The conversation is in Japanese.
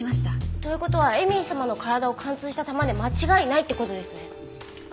という事は絵美里様の体を貫通した弾で間違いないって事ですね。